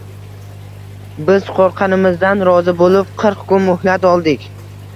Biz qo‘rqqanimizdan rozi bo‘lib qirq kun muhlat oldik